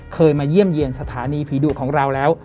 มาเยี่ยมเยี่ยมสถานีผีดุของเราแล้ว